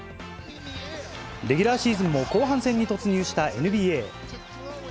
レギュラーシーズンも後半戦に突入したＮＢＡ。